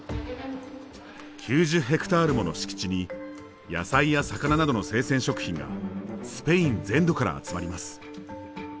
９０ヘクタールもの敷地に野菜や魚などの生鮮食品がスペイン全土から集まります。